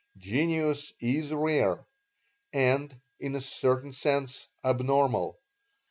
Genius is rare and, in a certain sense, abnormal.